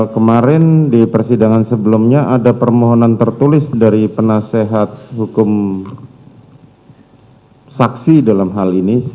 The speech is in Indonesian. kemarin di persidangan sebelumnya ada permohonan tertulis dari penasehat hukum saksi dalam hal ini